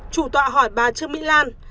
chủ tọa hỏi bà trương mỹ lan